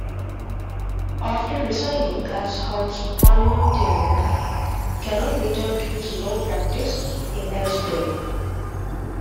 After resigning as House parliamentarian, Cannon returned to his law practice in Elsberry.